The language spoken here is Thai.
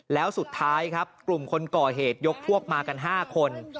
แล้วสุดท้ายครับกลุ่มคนก่อเหตุยกพวกมากัน๕คน